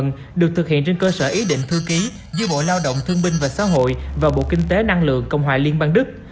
nên cơ sở ý định thư ký giữa bộ lao động thương binh và xã hội và bộ kinh tế năng lượng cộng hòa liên bang đức